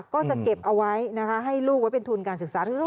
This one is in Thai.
ก็จะเก็บเอาไว้นะคะให้ลูกไว้เป็นทุนการศึกษา